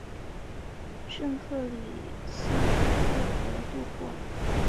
圣克里斯托夫德杜布尔。